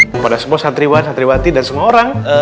kepada semua satriwan satriwati dan semua orang